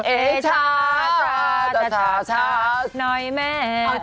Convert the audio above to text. เอชาน้อยแม่